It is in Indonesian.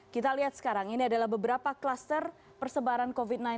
kita lihat sekarang ini adalah beberapa kluster persebaran covid sembilan belas